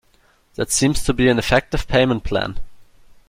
That seems to be an effective payment plan